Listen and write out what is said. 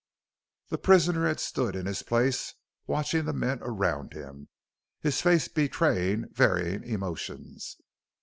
The prisoner had stood in his place, watching the men around him, his face betraying varying emotions.